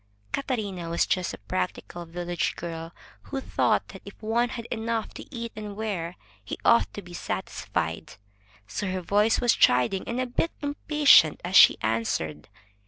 Catarina was just a practical village girl, who thought that if one had enough to eat and wear, he ought to be satisfied. So her voice was chiding and a bit impatient as she answered.